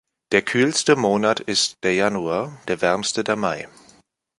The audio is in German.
Der kühlste Monat ist der Januar; der wärmste der Mai.